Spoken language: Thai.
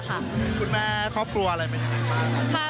คุณแม่ข้อหัวอะไรเหมือนกันค่ะ